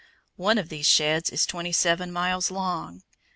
One of these sheds is twenty seven miles long.